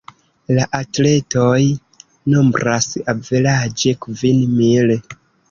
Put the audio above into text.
La atletoj nombras averaĝe kvin mil.